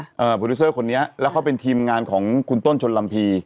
โปรดิวเซอร์คนนี้แล้วเขาเป็นทีมงานของคุณต้นชนลำพี